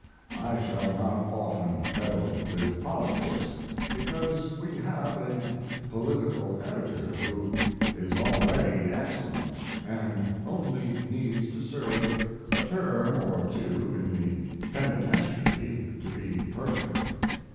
I shall not often meddle with politics, because we have a political Editor who is already excellent and only needs to serve a term or two in the penitentiary to be perfect.